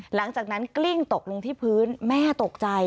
หลังจากนั้นกลิ้งตกลงที่พื้นแม่ตกใจ